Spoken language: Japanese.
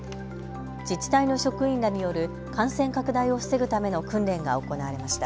自治体の職員らによる感染拡大を防ぐための訓練が行われました。